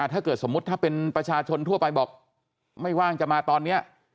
ถ้าเกิดสมมุติถ้าเป็นประชาชนทั่วไปบอกไม่ว่างจะมาตอนนี้